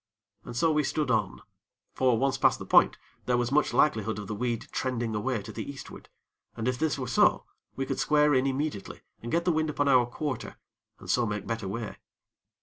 And so we stood on; for, once past the point, there was much likelihood of the weed trending away to the Eastward, and if this were so, we could square in immediately and get the wind upon our quarter, and so make better way.